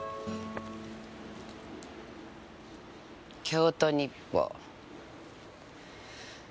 京都日報。